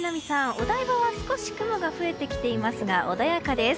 お台場は少し雲が増えてきていますが穏やかです。